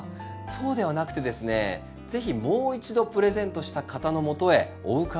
そうではなくてですね是非もう一度プレゼントした方のもとへお伺いしてですね